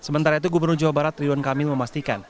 sementara itu gubernur jawa barat ridwan kamil memastikan